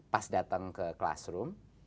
pas datang ke classroom